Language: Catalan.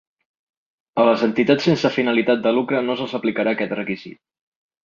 A les entitats sense finalitat de lucre no se'ls aplicarà aquest requisit.